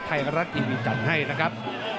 ไทยรัฐทีวีจัดให้นะครับ